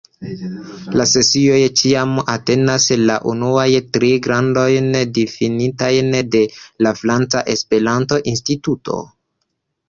La sesioj ĉiam entenas la unuajn tri gradojn difinitajn de la Franca Esperanto-Instituto.